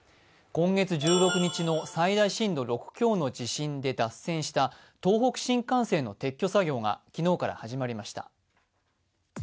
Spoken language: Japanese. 今月１６日の最大震度６強の地震で脱線した東北新幹線の撤去作業が昨日から始まりました。